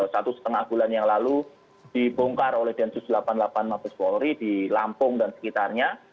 satu setengah bulan yang lalu dibongkar oleh densus delapan puluh delapan mabes polri di lampung dan sekitarnya